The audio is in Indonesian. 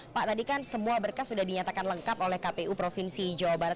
pak tadi kan semua berkas sudah dinyatakan lengkap oleh kpu provinsi jawa barat